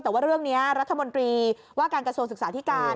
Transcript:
แต่ว่าเรื่องนี้รัฐมนตรีว่าการกระทรวงศึกษาธิการ